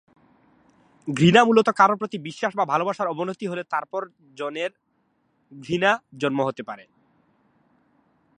ঘৃণা মূলত কারো প্রতি বিশ্বাস বা ভালোবাসার অবনতি হলে অপর জনের ঘৃণা জন্ম হতে পারে।